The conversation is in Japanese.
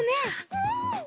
うん！